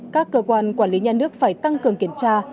các cơ quan quản lý nhà nước phải tăng cường kiểm tra